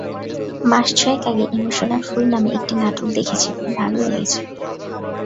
মাস ছয়েক আগে emotional fool নামে একটি নাটক দেখেছি, ভালো লেগেছে।